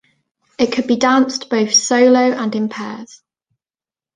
It could be danced both solo and in pairs.